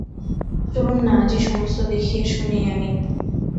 চলুন-না আজই সমস্ত দেখিয়ে শুনিয়ে আনি।